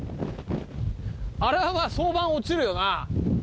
あれは早晩落ちるよな。